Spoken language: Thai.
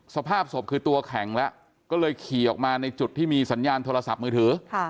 สภาพศพคือตัวแข็งแล้วก็เลยขี่ออกมาในจุดที่มีสัญญาณโทรศัพท์มือถือ